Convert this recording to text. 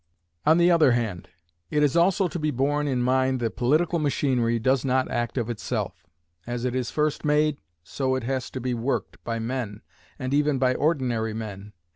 On the other hand, it is also to be borne in mind that political machinery does not act of itself. As it is first made, so it has to be worked, by men, and even by ordinary men.